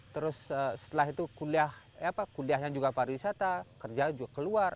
terus setelah itu kuliah ya apa kuliahnya juga pariwisata kerja juga keluar